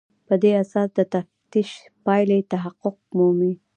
په دې اساس د تفتیش پایلې تحقق مومي.